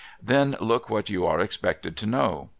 Then look what you are expected to know.